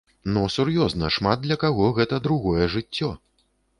Ну сур'ёзна, шмат для каго гэта другое жыццё!